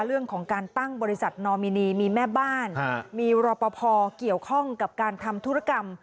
เรื่องของการตั้งบริษัทนอมินีมีแม่บ้านมีรอปภเกี่ยวข้องกับการทำธุรกรรม